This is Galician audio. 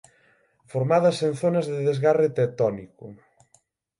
Formadas en zonas de desgarre tectónico.